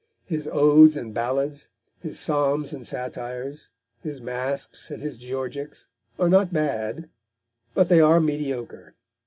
His odes and ballads, his psalms and satires, his masques and his georgics, are not bad, but they are mediocre.